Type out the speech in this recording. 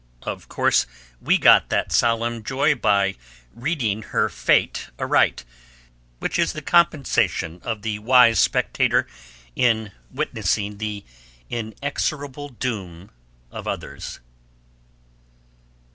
Of course we got that solemn joy out of reading her fate aright which is the compensation of the wise spectator in witnessing the inexorable doom of others.